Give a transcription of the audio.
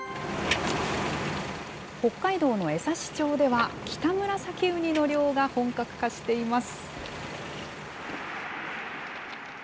北海道の江差町では、キタムラサキウニの漁が本格化しています。